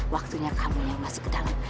waktunya kamu yang masuk ke dalam